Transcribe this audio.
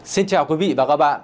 xin chào quý vị và các bạn